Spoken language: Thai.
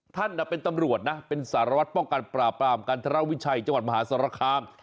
ท่านเป็นตำรวจนะเป็นสารวัตรป้องกันปราบปรามกันธรวิชัยจังหวัดมหาสารคาม